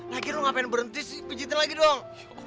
lagi lu ngapain berhenti sih pijetin lagi dong